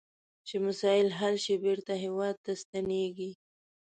چې مسایل حل شي بیرته هیواد ته ستنیږي.